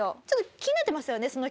ちょっと気になってますよね？